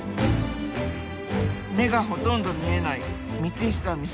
目がほとんど見えない道下美里選手。